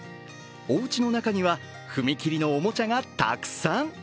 おうちの中には、踏切のおもちゃがたくさん。